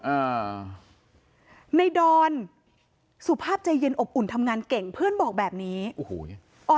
อ่าในดอนสุภาพใจเย็นอบอุ่นทำงานเก่งเพื่อนบอกแบบนี้โอ้โห